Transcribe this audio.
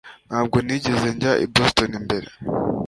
Ntabwo nigeze njya i Boston mbere